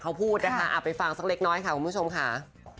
เขาพูดนะคะไปฟังสักเล็กน้อยค่ะคุณผู้ชมค่ะ